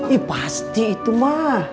iya pasti itu ma